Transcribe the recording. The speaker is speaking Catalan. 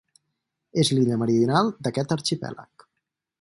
És l'illa més meridional d'aquest arxipèlag.